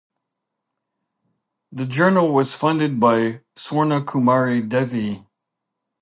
The journal was funded by Swarnakumari Devi.